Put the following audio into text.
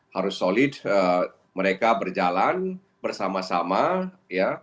harus solid mereka berjalan bersama sama ya